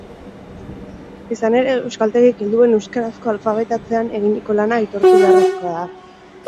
Izan ere, euskaltegiek helduen euskarazko alfabetatzean eginiko lana aitortu beharrekoa da.